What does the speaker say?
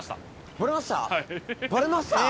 バレました？